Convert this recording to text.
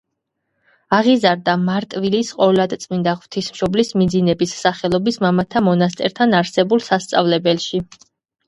აღიზარდა მარტვილის ყოვლადწმიდა ღვთისმშობლის მიძინების სახელობის მამათა მონასტერთან არსებულ სასწავლებელში.